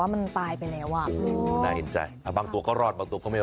แมวติด